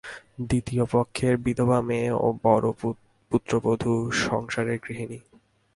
দ্বিতীয়পক্ষের বিধবা মেয়ে ও বড় পুত্রবধূ সংসারের গৃহিণী।